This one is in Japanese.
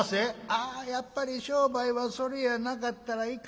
「ああやっぱり商売はそれやなかったらいかん。